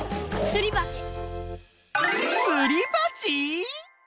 すりばち？